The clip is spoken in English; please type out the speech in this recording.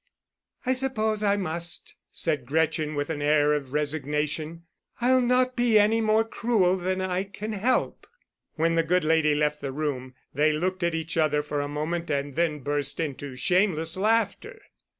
"I suppose I must," said Gretchen with an air of resignation. "I'll not be any more cruel than I can help." When the good lady left the room they looked at each other for a moment, and then burst into shameless laughter.